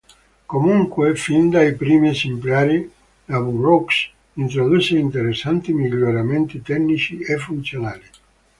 Comunque, fin dai primi esemplari, la Burroughs introdusse interessanti miglioramenti tecnici e funzionali.